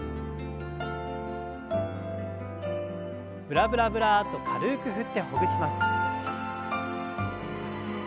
ブラブラブラッと軽く振ってほぐします。